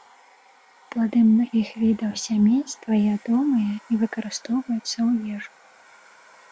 Плады многіх відаў сямейства ядомыя і выкарыстоўваюцца ў ежу.